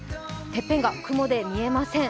てっぺんが雲で見えません。